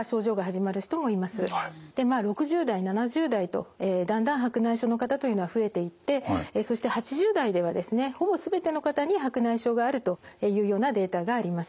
まあ６０代７０代とだんだん白内障の方というのは増えていってそして８０代ではですねほぼ全ての方に白内障があるというようなデータがあります。